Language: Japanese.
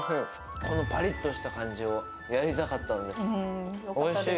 このぱりっとした感じをやりたかったんです。